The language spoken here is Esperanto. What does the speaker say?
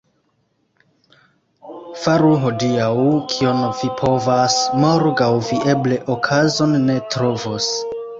Faru hodiaŭ, kion vi povas, — morgaŭ vi eble okazon ne trovos.